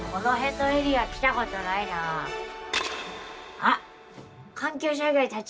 あっ！